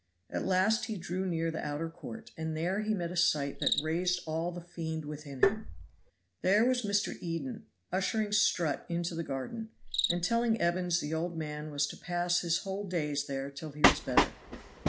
At last he drew near the outer court, and there he met a sight that raised all the fiend within him. There was Mr. Eden ushering Strutt into the garden, and telling Evans the old man was to pass his whole days there till he was better.